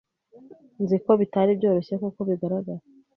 Nzi ko bitari byoroshye nkuko bigaragara.